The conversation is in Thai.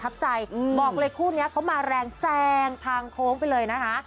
บอกเลยคู่นี้เขามาแรงแซงทางโค้งไปเลยนะคะ